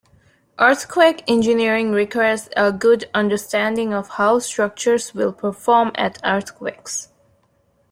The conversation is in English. Earthquake engineering requires a good understanding of how structures will perform at earthquakes.